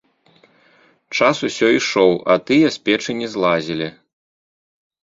Час усё ішоў, а тыя з печы не злазілі.